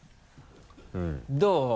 どう？